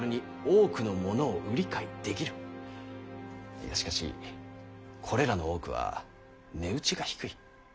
いやしかしこれらの多くは値打ちが低い。